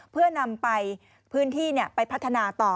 เพื่อนำไปพื้นที่ไปพัฒนาต่อ